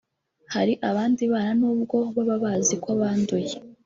Hari abandi bana n’ubwo baba bazi ko banduye